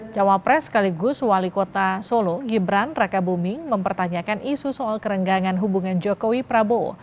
cawapres sekaligus wali kota solo gibran raka buming mempertanyakan isu soal kerenggangan hubungan jokowi prabowo